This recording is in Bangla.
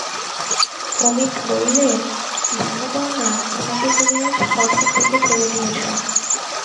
অমিত বললে, জান বন্যা, আমাকে তুমি আজ পথের দিকে ঠেলে দিয়েছ।